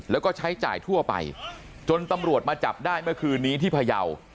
แล้วก็ใช้จ่ายทั่วไปจนตำรวจมาจับได้เมื่อคืนนี้ที่พยาว